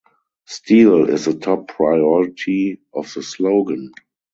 Steel is the top priority of the slogan.